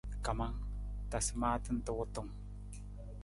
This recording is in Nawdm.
Kamang, tasa maata nta wutung.